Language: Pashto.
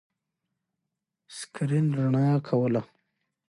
سکرین رڼا کوله.